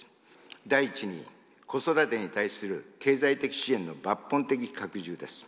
第一に、子育てに対する経済的支援の抜本的拡充です。